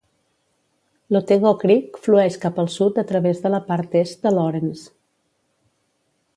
L'Otego Creek flueix cap al sud a través de la part est de Laurens.